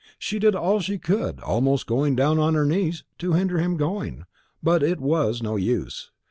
She did all she could, almost to going down on her knees, to hinder him going; but it was no use.